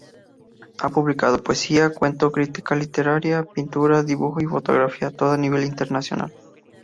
Ha publicado poesía, cuento, crítica literaria, pintura, dibujo y fotografía, todo a nivel internacional.